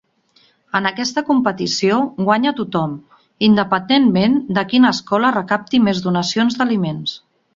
En aquesta competició guanya tothom, independentment de quina escola recapti més donacions d'aliments.